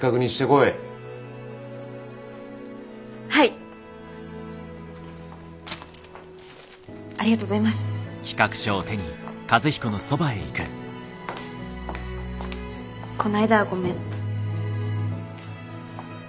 この間はごめん。